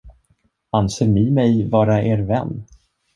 Anser ni mig vara er vän?